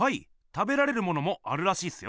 食べられるものもあるらしいっすよ。